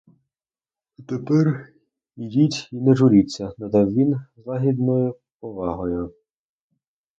А тепер ідіть і не журіться, — додав він з лагідною повагою.